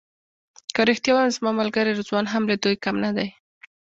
که رښتیا ووایم زما ملګری رضوان هم له دوی کم نه دی.